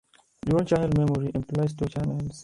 Dual-channel memory employs two channels.